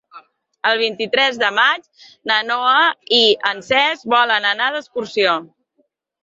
El vint-i-tres de maig na Noa i en Cesc volen anar d'excursió.